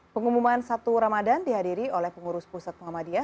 pengumuman satu ramadan dihadiri oleh pengurus pusat muhammadiyah